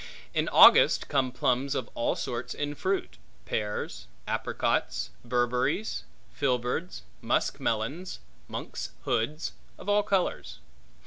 In August come plums of all sorts in fruit; pears; apricocks; berberries; filberds; musk melons; monks hoods, of all colors.